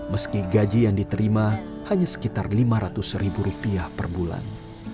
meski gaji yang diterima hanya sekitar lima ratus ribu rupiah per bulan